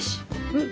うん。